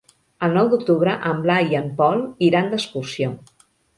El nou d'octubre en Blai i en Pol iran d'excursió.